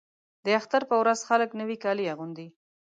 د اختر په ورځ خلک نوي کالي اغوندي.